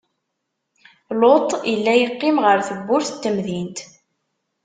Luṭ illa yeqqim ɣer tebburt n temdint.